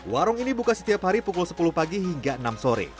warung ini buka setiap hari pukul sepuluh pagi hingga enam sore